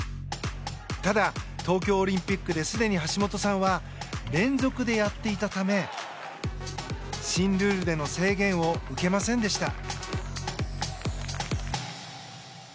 ただ、東京オリンピックですでに橋本さんは連続でやっていたため新ルールでの制限を受けませんでした。